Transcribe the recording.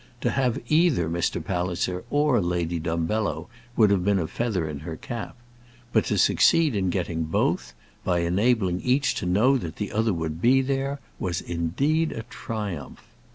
To have either Mr. Palliser or Lady Dumbello would have been a feather in her cap; but to succeed in getting both, by enabling each to know that the other would be there, was indeed a triumph.